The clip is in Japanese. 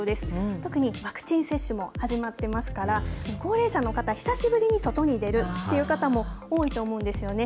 特にワクチン接種も始まってますから、高齢者の方、久しぶりに外に出るという方も多いと思うんですよね。